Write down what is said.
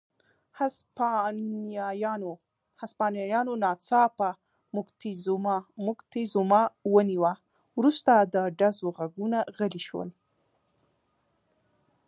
هسپانویانو ناڅاپه موکتیزوما ونیوه، وروسته د ډزو غږونه غلي شول.